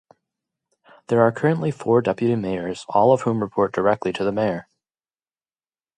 There are currently four deputy mayors, all of whom report directly to the mayor.